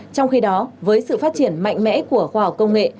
trong khi đó với sự phát triển mạnh mẽ của khoa học công nghệ